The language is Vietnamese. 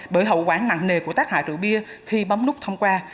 bởi hậu quả nặng nề của tác hại rượu bia khi bấm nút thông qua